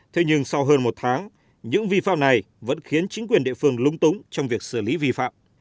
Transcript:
thế nhưng sau hơn một tháng những vi phạm này vẫn khiến chính quyền địa phương lúng túng trong việc xử lý vi phạm